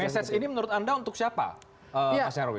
maksudnya mesej ini menurut anda untuk siapa mas herwi